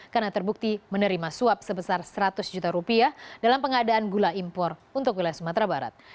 karena terbukti menerima suap sebesar seratus juta rupiah dalam pengadaan gula impor untuk wilayah sumatera barat